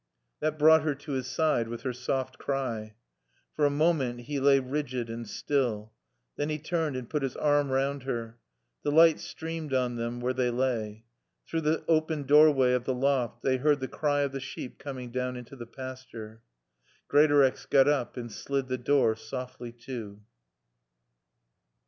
That brought her to his side with her soft cry. For a moment he lay rigid and still. Then he turned and put his arm round her. The light streamed on them where they lay. Through the open doorway of the loft they heard the cry of the sheep coming down into the pasture. Greatorex got up and slid the door softly to.